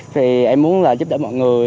thì em muốn là giúp đỡ mọi người